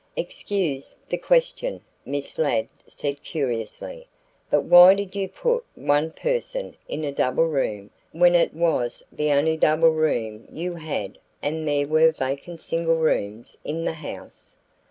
"Excuse the question," Miss Ladd said curiously; "but why did you put one person in a double room when it was the only double room you had and there were vacant single rooms in the house?"